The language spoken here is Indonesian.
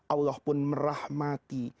allah pun merahmati